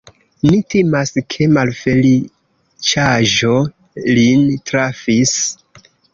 Ni timas, ke malfeliĉaĵo lin trafis.